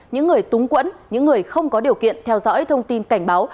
những người túng quẫn những người không có điều kiện theo dõi thông tin cảnh báo